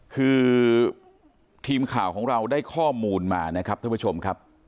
คือทีมข่าวของเราได้ข้อมูลมานะครับท่านผู้ชมครับ